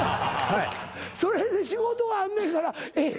それで仕事あんねんからええやないか。